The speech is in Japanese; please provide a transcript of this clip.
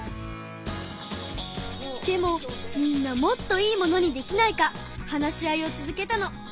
でもみんなもっといいものにできないか話し合いを続けたの。